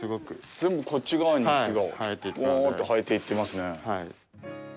全部こっち側に木が、ぽーんって生えていってますね。